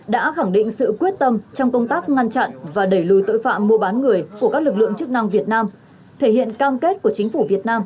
đã khẳng định sự quyết tâm trong công tác ngăn chặn và đẩy lùi tội phạm mua bán người của các lực lượng chức năng việt nam thể hiện cam kết của chính phủ việt nam